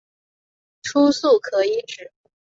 初速可以指